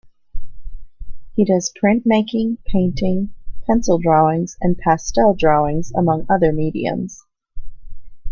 He does printmaking, painting, pencil drawings, and pastel drawings, among other mediums.